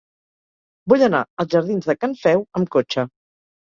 Vull anar als jardins de Can Feu amb cotxe.